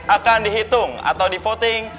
akan dihitung atau di voting